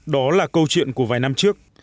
đó là câu chuyện của vài năm trước